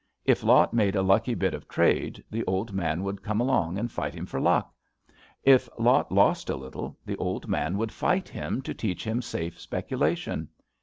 If Lot made a lucky bit of trade, the old man would come along and fight him for luck. If Lot lost a little, the old man would fight him to teach him safe speculation.